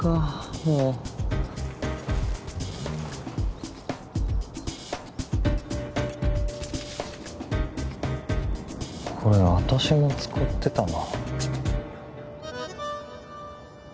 もうこれ私も使ってたな